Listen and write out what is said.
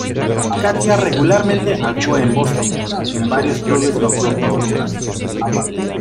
Katya regularmente actúa en Boston en varios clubes nocturnos gays.